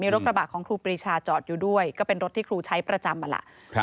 รถกระบะของครูปรีชาจอดอยู่ด้วยก็เป็นรถที่ครูใช้ประจำนั่นแหละ